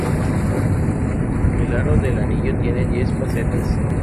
El aro del anillo tiene diez facetas.